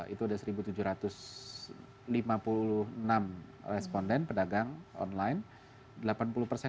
itu ada satu tujuh ratus lima puluh enam responden pedagang online